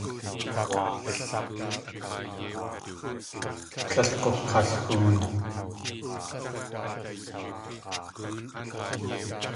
Tlél gug̲alhoon.